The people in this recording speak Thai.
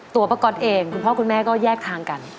ตัวป้าก๊อตเองคุณพ่อคุณแม่ก็แยกทางกัน